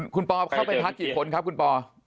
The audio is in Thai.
คุณปอเข้าไปพักกี่คนครับคุณปอ